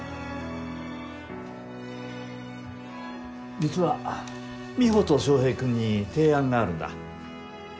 実は美帆と翔平君に提案があるんだ。